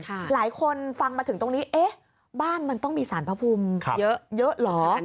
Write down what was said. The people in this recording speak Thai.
หลายคนฟังมาถึงตรงนี้เอ๊ะบ้านมันต้องมีสารพระภูมิเยอะเหรอ